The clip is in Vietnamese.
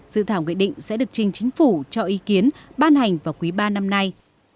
dự thảo nghị định sẽ được trình chính phủ cho ý kiến ban hành vào quý ba năm nay